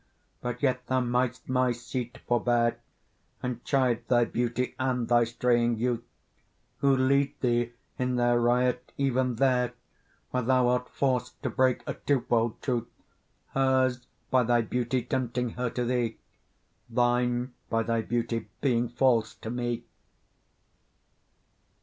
but yet thou mightst my seat forbear, And chide thy beauty and thy straying youth, Who lead thee in their riot even there Where thou art forced to break a twofold truth: Hers by thy beauty tempting her to thee, Thine by thy beauty being false to me.